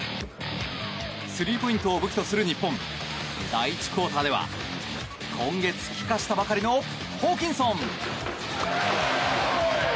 スリーポイントを武器とする日本第１クオーターでは今月帰化したばかりのホーキンソン。